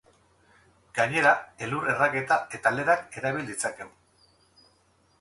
Gainera elur-erraketa eta lerak erabil ditzakegu.